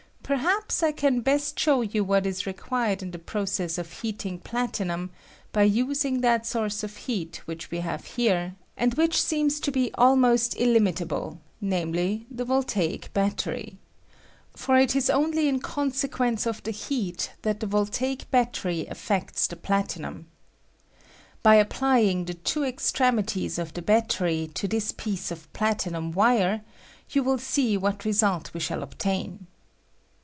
Perhaps I can best show you what is 1 J ^ VOLTAIC IGNITION OP WIRE, 197 required in the process of heating platinum by using that source of heat which we have here, and which seems to be almost illimitable, name ly, the voltaic battery ; for it is only in conse quence of the heat that the voltaic battery af fects the platinum. By applying the two ex tremities of the battery to this piece of plati num wire, yoa wUl see what lesult we shall obtain.